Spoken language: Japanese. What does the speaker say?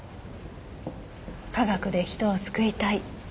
「科学で人を救いたい」